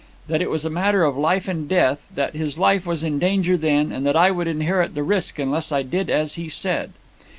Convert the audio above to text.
That it was a matter of life and death, that his life was in danger then, and that I would inherit the risk unless I did as he said.